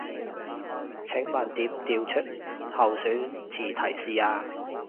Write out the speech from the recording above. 請問點調出候選詞提示啊